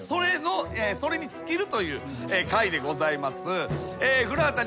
それに尽きるという回でございます。